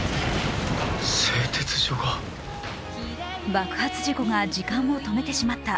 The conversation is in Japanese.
爆発事故が時間を止めてしまった。